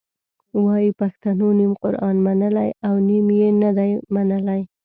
وایي پښتنو نیم قرآن منلی او نیم یې نه دی منلی.